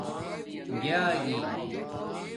جاگی